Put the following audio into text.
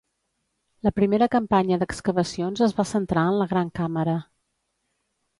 La primera campanya d'excavacions es va centrar en la gran càmera.